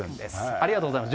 ありがとうございます。